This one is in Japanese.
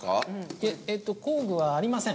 いえ工具はありません。